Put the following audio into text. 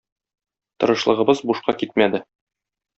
Тырышлыгыбыз бушка китмәде.